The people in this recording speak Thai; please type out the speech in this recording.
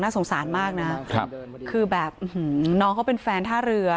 สงสารมากนะครับคือแบบน้องเขาเป็นแฟนท่าเรือ